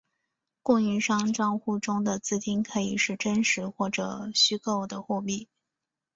供应商帐户中的资金可以是真实或者虚构的货币。